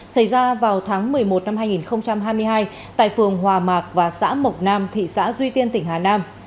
xảy ra vào tháng một mươi một năm hai nghìn hai mươi hai tại phường hòa mạc và xã mộc nam thị xã duy tiên tỉnh hà nam